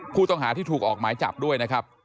ผู้ต้องหาที่ถูกออกหมายจับด้วยนะครับ